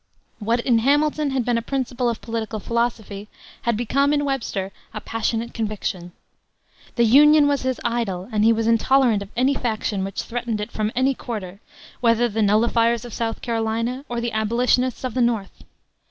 What in Hamilton had been a principle of political philosophy had become in Webster a passionate conviction. The Union was his idol, and he was intolerant of any faction which threatened it from any quarter, whether the Nullifiers of South Carolina or the Abolitionists of the North.